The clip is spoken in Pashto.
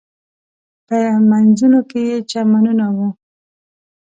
په مینځونو کې یې چمنونه و.